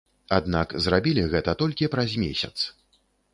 Аднак, зрабілі гэта толькі праз месяц.